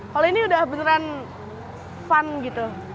kalau ini udah beneran fun gitu